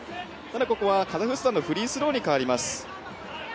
ここはカザフスタンのフリースローにかわります。